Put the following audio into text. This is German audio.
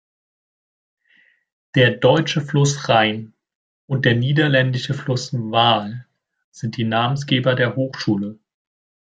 Der deutsche Fluss Rhein und der niederländische Fluss Waal sind die Namensgeber der Hochschule.